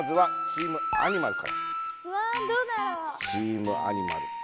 チームアニマル。